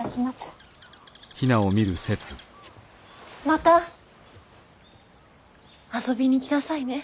また遊びに来なさいね。